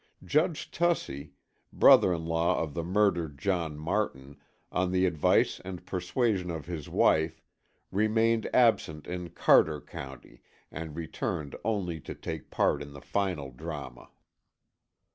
Judge Tussey, brother in law of the murdered John Martin, on the advice and persuasion of his wife, remained absent in Carter County and returned only to take part in the final drama.